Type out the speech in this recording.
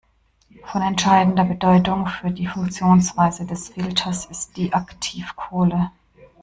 Von entscheidender Bedeutung für die Funktionsweise des Filters ist die Aktivkohle.